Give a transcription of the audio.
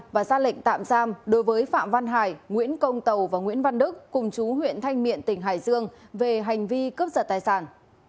và ra lệnh tạm giam đối với phạm văn hải nguyễn công tàu và nguyễn văn đức cùng chú huyện thanh miện tỉnh hải dương về hành vi cướp giật tài sản